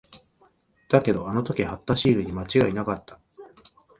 だけど、あの時貼ったシールに間違いなかった。